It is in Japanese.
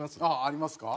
ありますか？